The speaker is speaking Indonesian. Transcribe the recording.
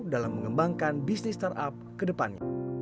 dalam mengembangkan bisnis startup ke depannya